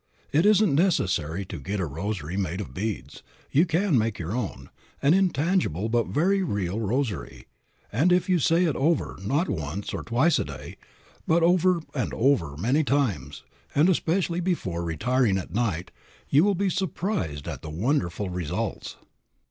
It isn't necessary to get a rosary made of beads. You can make your own, an intangible but very real rosary, and if you say it over, not once, or twice a day, but over and over many times, and especially before retiring at night, you will be surprised at the wonderful results.